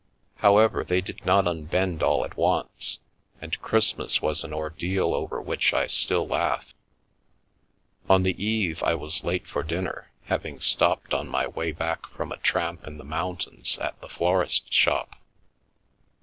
However, they did not unbend all at once, and Christ mas was an ordeal over which I still laugh. On the Eve I was late for dinner, having stopped on my way back from a tramp in the mountains at the florists 9 shop.